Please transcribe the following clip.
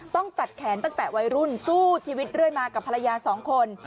ต้องตัดแขนตั้งแต่วัยรุ่นสู้ชีวิตเรื่อยมากับภรรยาสองคน